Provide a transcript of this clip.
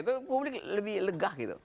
itu publik lebih legah gitu